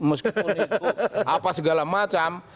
meskipun itu apa segala macam